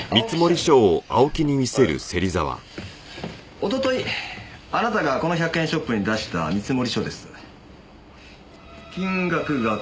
おとといあなたがこの１００円ショップに出した見積書です。